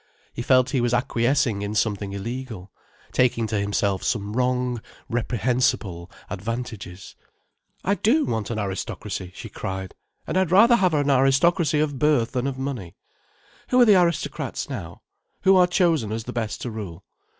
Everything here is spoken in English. He felt he was acquiescing in something illegal, taking to himself some wrong, reprehensible advantages. "I do want an aristocracy," she cried. "And I'd far rather have an aristocracy of birth than of money. Who are the aristocrats now—who are chosen as the best to rule?